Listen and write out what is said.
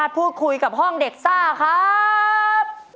พูดคุยกับห้องเด็กซ่าครับ